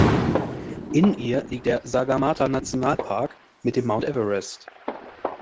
In ihr liegt der Sagarmatha-Nationalpark mit dem Mount Everest.